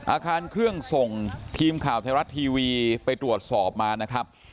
อาคารเครื่องส่งทีมข่าวไทยรัฐทีวีไปตรวจสอบมานะครับ